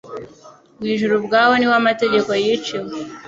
Mu ijuru ubwaho ni ho amategeko yiciwe.